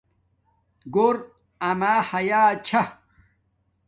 گھوو اما حیا چھا